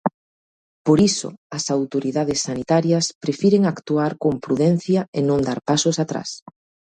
Por iso, as autoridades sanitarias prefiren actuar con prudencia e non dar pasos atrás.